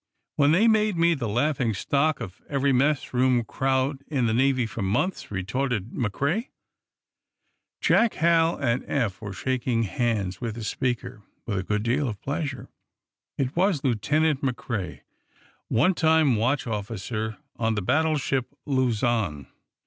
When they made me the laughing stock of every mess room crowd in the Navy for months!" retorted McCrea. Jack, Hal and Eph were shaking hands with the speaker with a good deal of pleasure. It was Lieutenant McCrea, one time watch officer on the battleship "Luzon."